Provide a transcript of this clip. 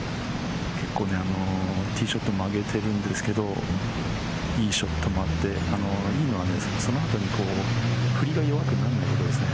ティーショットを曲げてるんですけれど、いいショットもあって、いいのは、その後に振りが弱くならないんですね。